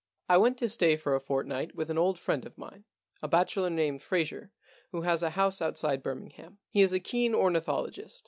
I went to stay for a fortnight with an old friend of mine, a bachelor named Fraser, who has a house outside Birmingham. He is a keen ornithologist.